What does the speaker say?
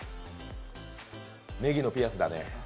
ねぎのピアスだね。